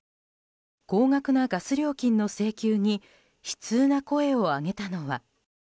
高額なガス料金の請求に悲痛な声を上げたのは。